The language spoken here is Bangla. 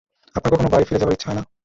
আপনার কখনো বাড়ি ফিরে যাবার ইচ্ছে হয় না?